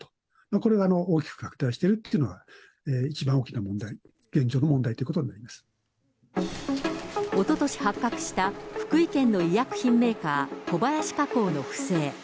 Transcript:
これが大きく拡大しているというのが、一番大きな問題、現状の問おととし発覚した福井県の医薬品メーカー、小林化工の不正。